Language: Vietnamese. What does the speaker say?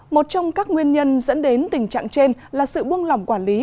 một trong các nguyên nhân dẫn đến tình trạng trên là sự buông lỏng quản lý